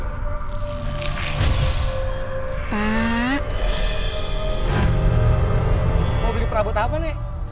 neneh mau beli perabot apa nek